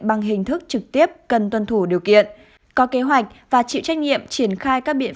bằng hình thức trực tiếp cần tuân thủ điều kiện có kế hoạch và chịu trách nhiệm triển khai các biện